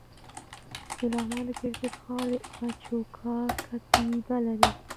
د لغمان د کرکټ ښار د اشوکا کتیبه لري